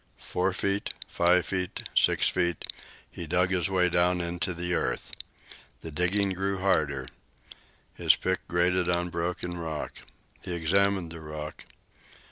Four feet, five feet, six feet, he dug his way down into the earth. The digging grew harder. His pick grated on broken rock. He examined the rock.